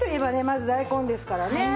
まず大根ですからね。